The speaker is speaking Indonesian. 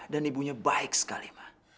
dan ibunya baik sekali ma